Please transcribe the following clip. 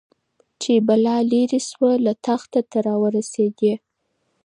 چي بلا ليري سوه له تخته ته راورسېدې